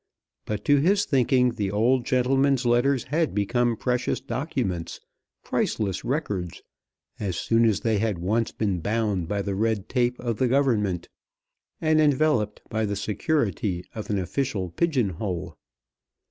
But to his thinking the old gentleman's letters had become precious documents, priceless records, as soon as they had once been bound by the red tape of the Government, and enveloped by the security of an official pigeon hole.